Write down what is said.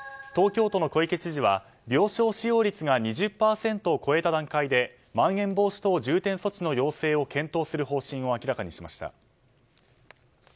東京都の小池知事は病床使用率が２０％を超えた段階でまん延防止等重点措置の要請を検討する方針を明らかにしました。